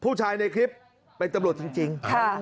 ผู้ชายในคลิปเป็นตำรวจจริง